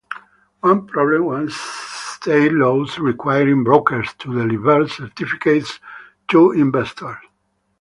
One problem was state laws requiring brokers to deliver certificates to investors.